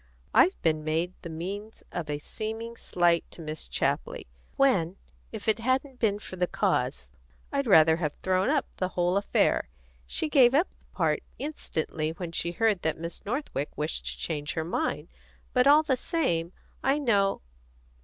I've been made the means of a seeming slight to Miss Chapley, when, if it hadn't been for the cause, I'd rather have thrown up the whole affair. She gave up the part instantly when she heard that Miss Northwick wished to change her mind, but all the same I know